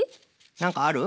なんかある？